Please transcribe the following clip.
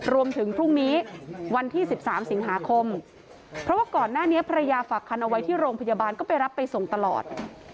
รวมถึงพรุ่งนี้วันที่๑๓สิงหาคมเพราะว่าก่อนหน้านี้ภรรยาฝากคันเอาไว้ที่โรงพยาบาลก็ไปรับไปส่งตลอด